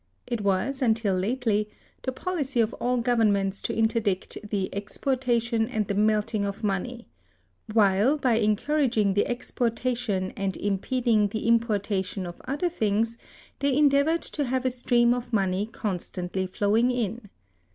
It was, until lately, the policy of all governments to interdict the exportation and the melting of money; while, by encouraging the exportation and impeding the importation of other things, they endeavored to have a stream of money constantly flowing in.